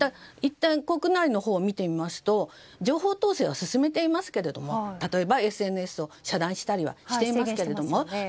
また、国内を見てみますと情報統制は進めていますけども例えばＳＮＳを遮断したりしていますが。